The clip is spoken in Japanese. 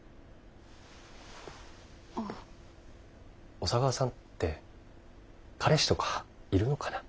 小佐川さんって彼氏とかいるのかな？